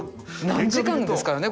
何時間ですからね